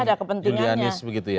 ya ada kepentingannya